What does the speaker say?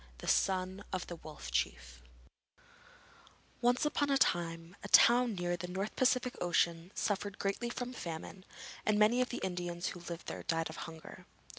THE SON OF THE WOLF CHIEF Once upon a time a town near the North Pacific Ocean suffered greatly from famine and many of the Indians who lived there died of hunger.